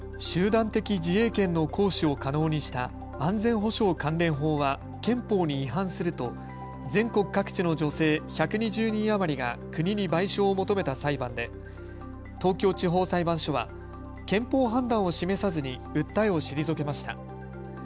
集団的自衛権の行使を可能にした安全保障関連法は憲法に違反すると全国各地の女性１２０人余りが国に賠償を求めた裁判で東京地方裁判所は憲法判断を示さずに訴えを退けました。